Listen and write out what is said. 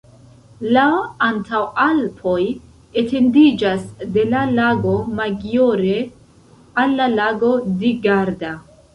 La Antaŭalpoj etendiĝas de la Lago Maggiore al la Lago di Garda.